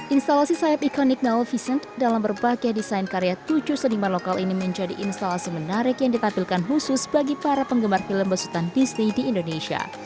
instalasi sayap iconic neal vision dalam berbagai desain karya tujuh seniman lokal ini menjadi instalasi menarik yang ditampilkan khusus bagi para penggemar film besutan disney di indonesia